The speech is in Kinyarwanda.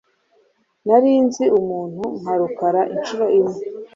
Nari nzi umuntu nka Rukara inshuro imwe.